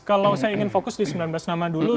kalau saya ingin fokus di sembilan belas nama dulu